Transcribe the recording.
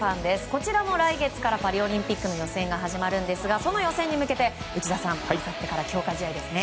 こちらも来月からパリオリンピックの予選が始まりますがその予選に向けて内田さん、あさってから強化試合ですね。